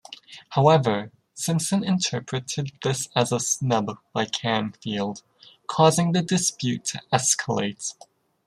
However, Simpson interpreted this as a snub by Camfield, causing the dispute to escalate.